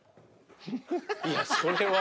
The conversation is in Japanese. いやそれは。